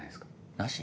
なし？